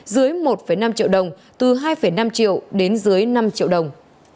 dưới một năm triệu đồng từ hai năm triệu đến dưới năm triệu đồng